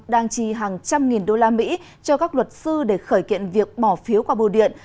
đang chi hàng trăm nghìn đô la mỹ cho các luật sư để khởi kiện việc bỏ phiếu qua bưu điện